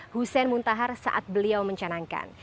hussein muntahar saat beliau mencanangkan